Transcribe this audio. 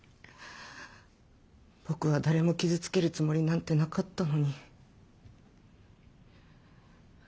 僕は誰も傷つけるつもりなんてなかったのに。